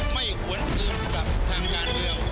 ไม่หวนอื่นกับทางงานเรือง